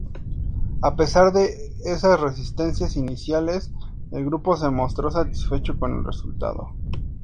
A pesar de esas reticencias iniciales, el grupo se mostró satisfecho con el resultado.